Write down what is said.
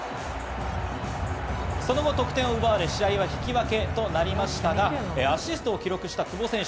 その後、得点を奪われ、試合は引き分けとなりましたが、アシストを記録した久保選手。